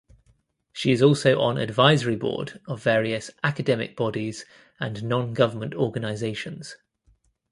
She is also on advisory board of various academic bodies and non government organisations.